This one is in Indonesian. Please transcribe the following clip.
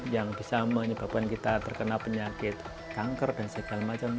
yang bisa menyebabkan kita terkena penyakit kanker dan segala macam